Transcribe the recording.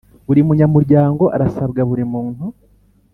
buri munyamuryango arasabwa buri muntu